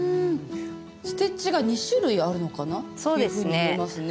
ステッチが２種類あるのかな？というふうに見えますね。